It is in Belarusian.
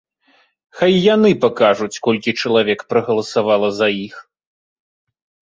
Хай яны пакажуць, колькі чалавек прагаласавала за іх.